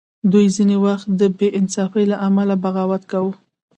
دوی ځینې وخت د بې انصافۍ له امله بغاوت کاوه.